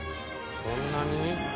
そんなに？